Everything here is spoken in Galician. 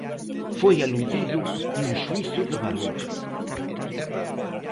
Foi aludido cun xuízo de valor.